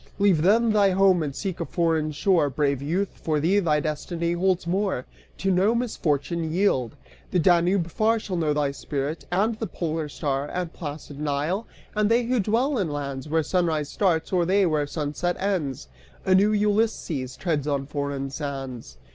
Leave then thy home and seek a foreign shore Brave youth; for thee thy destiny holds more: To no misfortune yield! The Danube far Shall know thy spirit, and the polar star, And placid Nile, and they who dwell in lands Where sunrise starts, or they where sunset ends! A new Ulysses treads on foreign sands."